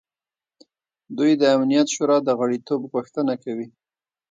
دوی د امنیت شورا د غړیتوب غوښتنه کوي.